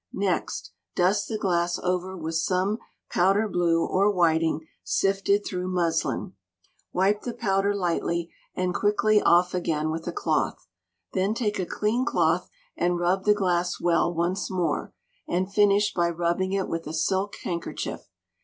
Next, dust the glass over with some powder blue or whiting sifted through muslin; wipe the powder lightly and quickly off again with a cloth; then take a clean cloth, and rub the glass well once more, and finish by rubbing it with a silk handkerchief.